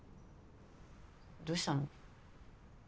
どうしたの？